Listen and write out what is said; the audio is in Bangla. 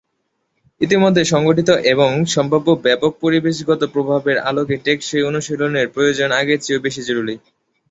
ইতোমধ্যে সংঘটিত এবং সম্ভাব্য ব্যাপক পরিবেশগত প্রভাবের আলোকে টেকসই অনুশীলনের প্রয়োজন আগের চেয়ে বেশি জরুরি।